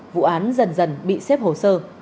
vụ án dần dần bị xếp hồ sơ